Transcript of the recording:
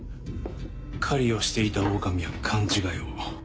狩りをしていたオオカミは勘違いを。